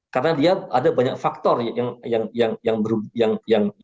karena dia ada banyak faktor yang berubah